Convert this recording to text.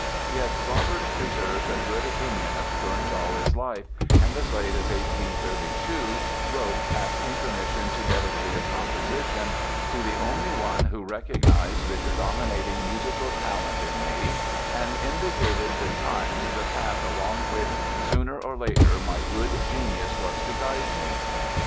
Yet Robert preserved a good opinion of Kuntzsch all his life and as late as 1832 wrote asking permission to dedicate a composition to "the only one who recognized the predominating musical talent in me and indicated betimes the path along which, sooner or later, my good genius was to guide me".